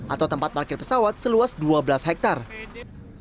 atau tempat parkir pesawat seluas dua belas hektare